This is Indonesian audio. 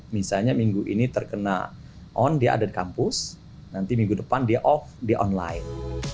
misalnya minggu ini terkena on dia ada di kampus nanti minggu depan dia off dia online